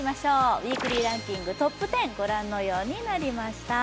ウィークリーランキングトップ１０ご覧のようになりました。